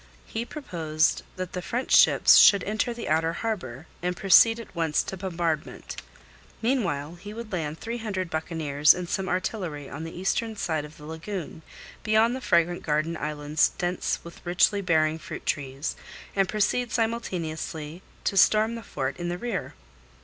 He proposed that the French ships should enter the outer harbour, and proceed at once to bombardment. Meanwhile, he would land three hundred buccaneers and some artillery on the eastern side of the lagoon, beyond the fragrant garden islands dense with richly bearing fruit trees, and proceed simultaneously to storm the fort in the rear.